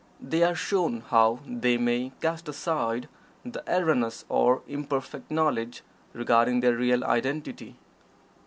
They are shown how they may cast aside the erroneous or imperfect knowledge regarding their real identity.